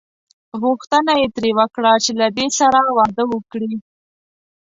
غوښتنه یې ترې وکړه چې له دې سره واده وکړي.